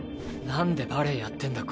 なんでバレエやってんだ？